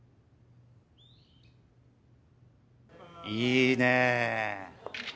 いいね。